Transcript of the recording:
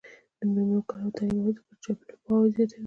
د میرمنو کار او تعلیم مهم دی ځکه چې چاپیریال پوهاوی زیاتوي.